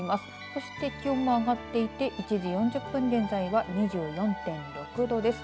そして気温も上がっていて１時４０分現在は２４．６度です。